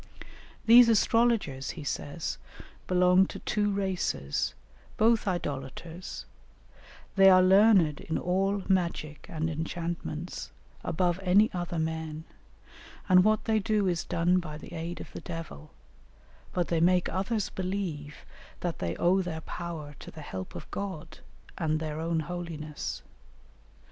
"These astrologers," he says, "belong to two races, both idolaters; they are learned in all magic and enchantments, above any other men, and what they do is done by the aid of the devil, but they make others believe that they owe their power to the help of God, and their own holiness.